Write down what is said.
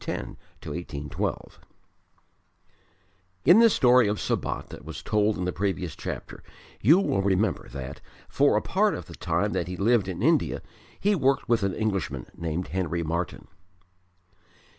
Time of Incident 1810 12) In the story of Sabat that was told in the previous chapter you will remember that, for a part of the time that he lived in India, he worked with an Englishman named Henry Martyn.